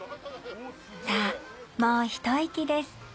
さあもう一息です。